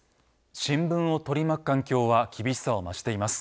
新聞を取り巻く環境は厳しさを増しています。